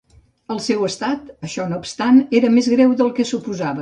El seu estat, això no obstant, era més greu del que suposava.